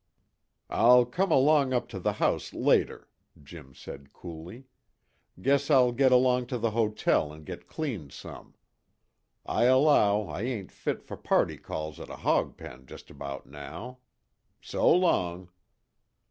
"I'll come along up to the house later," Jim said coolly. "Guess I'll get along to the hotel and get cleaned some. I allow I ain't fit for party calls at a hog pen just about now. So long."